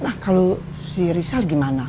nah kalau si risal gimana